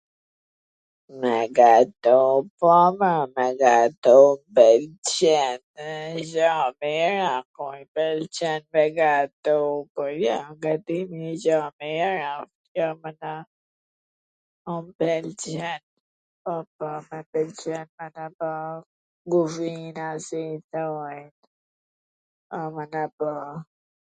me gatu, po, mor, me gatu m pwlqen, jo, mir a kur mw pwlqen me gatu, por jo ... me gatu njw gja mir ... po m pwlqen, po po mw pwlqen me gatu , po, guzhina si thohet....